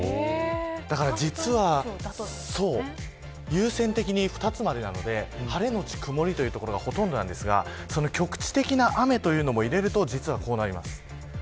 だから実は優先的に２つまでなので晴れのち曇りというところがほとんどですが局地的な雨というのも入れると実はこうなります。